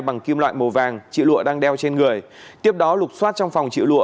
bằng kim loại màu vàng chị lụa đang đeo trên người tiếp đó lục xoát trong phòng triệu lụa